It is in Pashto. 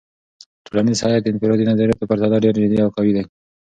ټولنیز هیت د انفرادي نظریاتو په پرتله ډیر جدي او قوي دی.